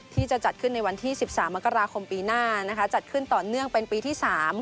ที่จะจัดขึ้นในวันที่๑๓มกราคมปีหน้าจัดขึ้นต่อเนื่องเป็นปีที่๓